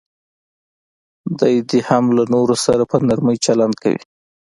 دی دې هم له نورو سره په نرمي چلند کوي.